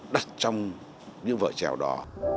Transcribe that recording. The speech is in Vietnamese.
đặt trong những vợ trèo đó